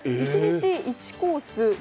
１日１コース